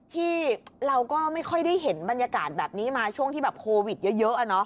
ที่เราก็ไม่ค่อยได้เห็นบรรยากาศแบบนี้มาช่วงที่แบบโควิดเยอะ